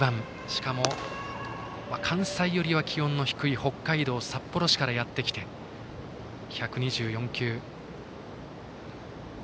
しかも、関西よりは気温の低い北海道札幌市からやってきて１２４球。